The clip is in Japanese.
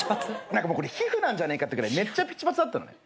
何かもうこれ皮膚なんじゃねえかってぐらいめっちゃピチパツだったのね。